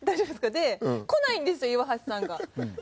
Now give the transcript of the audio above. で来ないんですよ岩橋さんが。